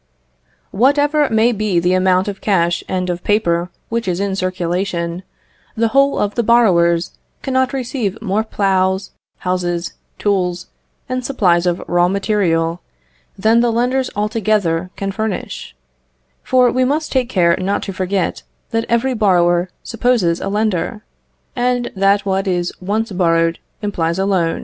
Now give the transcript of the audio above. Whatever may be the amount of cash and of paper which is in circulation, the whole of the borrowers cannot receive more ploughs, houses, tools, and supplies of raw material, than the lenders altogether can furnish; for we must take care not to forget that every borrower supposes a lender, and that what is once borrowed implies a loan.